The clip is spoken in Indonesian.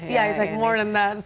iya itu lebih dari itu